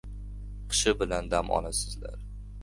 — Qishi bilan dam olasizlar.